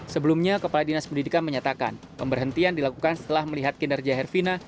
sebelumnya kepala dinas pendidikan menyatakan pemberhentian dilakukan setelah melihat kinerja herfina